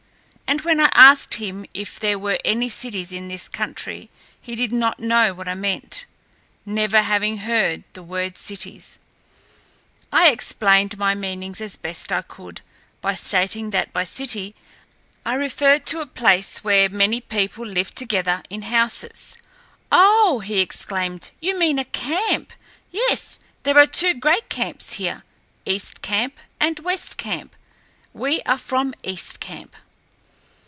And when I asked him if there were any cities in this country he did not know what I meant, never having heard the word cities. I explained my meaning as best I could by stating that by city I referred to a place where many people lived together in houses. "Oh," he exclaimed, "you mean a camp! Yes, there are two great camps here, East Camp and West Camp. We are from East Camp."